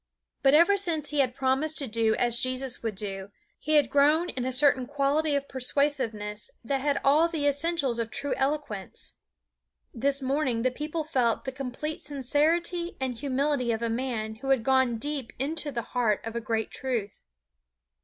But ever since he had promised to do as Jesus would do, he had grown in a certain quality of persuasiveness that had all the essentials of true eloquence. This morning the people felt the complete sincerity and humility of a man who had gone deep into the heart of a great truth.